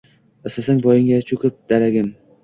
Istasang, poyingga choʼkib, dagarim